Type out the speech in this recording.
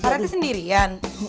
pak reti sendirian